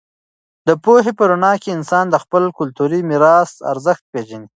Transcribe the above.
د پوهې په رڼا کې انسان د خپل کلتوري میراث ارزښت پېژني.